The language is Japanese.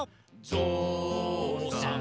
ぞうさん